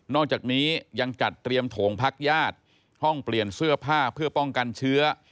อกจากนี้ยังจัดเตรียมโถงพักญาติห้องเปลี่ยนเสื้อผ้าเพื่อป้องกันเชื้อ